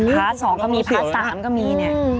พาร์ท๒ก็มีพาร์ท๓ก็มีเนี่ย